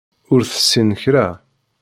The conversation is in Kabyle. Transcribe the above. Ur tessin kra.